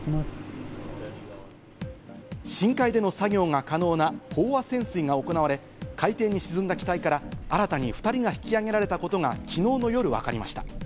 深海での作業が可能な飽和潜水が行われ、海底に沈んだ機体から新たに２人が引き揚げられたことが昨日の夜、わかりました。